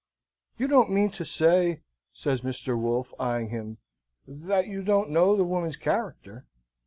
"You don't mean to say," says Mr. Wolfe, eyeing him, "that you don't know the woman's character?"